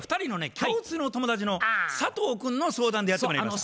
共通の友達の佐藤君の相談でやってまいりました。